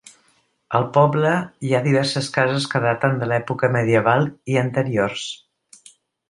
Al poble hi ha diverses cases que daten de l'època medieval i anteriors.